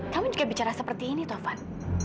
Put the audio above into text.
kamu juga bicara seperti ini tovan